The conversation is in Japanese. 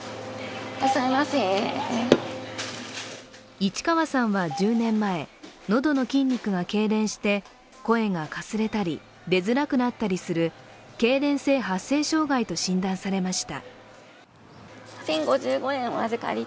市川さんは１０年前、喉の筋肉がけいれんして声がかすれたり出づらくなったりするけいれん性発声障害と診断されました。